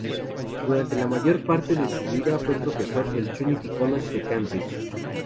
Durante la mayor parte de su vida fue profesor del Trinity College de Cambridge.